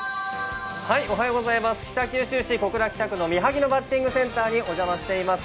北九州市小倉北区の三萩野バッティングセンターにお邪魔しています。